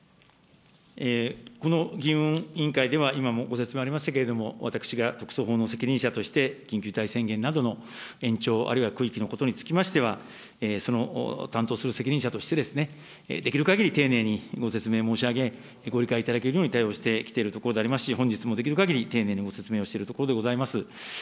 この議運委員会では、今もご説明ありましたけども、私が特措法の責任者として、緊急事態宣言などの延長、あるいは区域のことにつきましては、その担当する責任者として、できるかぎり丁寧にご説明申し上げ、ご理解いただけるように対応してきているところでありますし、本日もできるかぎり丁寧にご説明をしているところでございます。